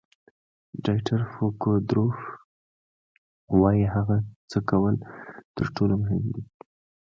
ډایټر فوکودروف وایي هڅه کول تر ټولو مهم دي.